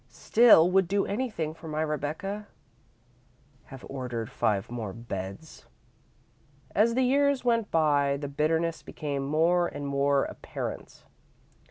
Still, would do anything for my Rebecca. Have ordered five more beds." As the years went by, the bitterness became more and more apparent.